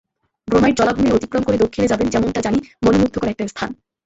Bromite জলাভূমি অতিক্রম করে দক্ষিণে যাবেন, যেমনটা জানি, মনোমুগ্ধকর একটা স্থান।